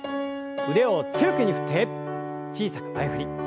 腕を強く振って小さく前振り。